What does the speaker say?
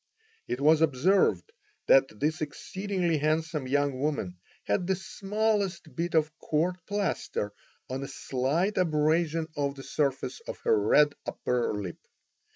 It was observed that this exceedingly handsome young woman had the smallest bit of court plaster on a slight abrasion of the surface of her red upper lip.